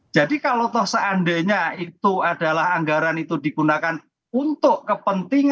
jadi kalau toh seandainya itu adalah anggaran itu digunakan untuk kepentingan